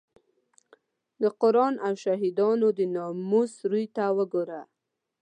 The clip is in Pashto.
د قران او شهیدانو د ناموس روی ته وګوره.